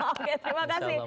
oke terima kasih